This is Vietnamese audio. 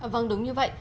vâng đúng như vậy